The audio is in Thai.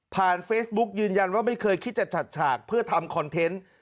เฟซบุ๊กยืนยันว่าไม่เคยคิดจะจัดฉากเพื่อทำคอนเทนต์